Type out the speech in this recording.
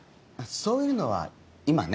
そういうのは今ね。